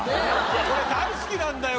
俺大好きなんだよ